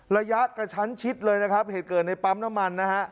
ระยะกระชั้นชิดเลยนะครับเหตุเกิดในปั๊มน้ำมันนะฮะ